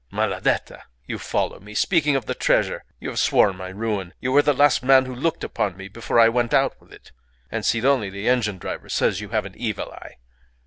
"Maladetta! You follow me speaking of the treasure. You have sworn my ruin. You were the last man who looked upon me before I went out with it. And Sidoni the engine driver says you have an evil eye."